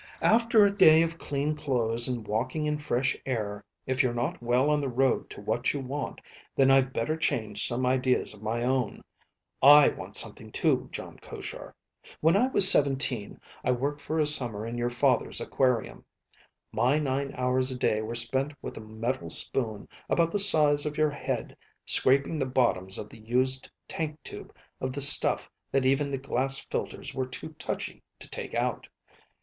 After a day of clean clothes and walking in fresh air, if you're not well on the road to what you want, then I'd better change some ideas of my own. I want something too, Jon Koshar. When I was seventeen, I worked for a summer in your father's aquarium. My nine hours a day were spent with a metal spoon about the size of your head scraping the bottoms of the used tank tube of the stuff that even the glass filters were too touchy to take out.